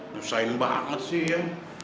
susahin banget sih iyan